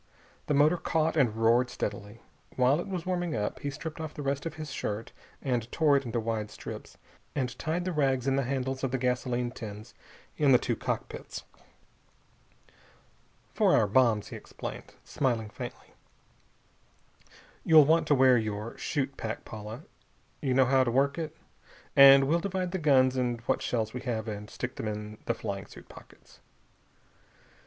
The motor caught and roared steadily. While it was warming up, he stripped off the rest of his shirt and tore it into wide strips, and tied the rags in the handles of the gasoline tins in the two cockpits. "For our bombs," he explained, smiling faintly. "You'll want to wear your chute pack, Paula. You know how to work it? And we'll divide the guns and what shells we have, and stick them in the flying suit pockets."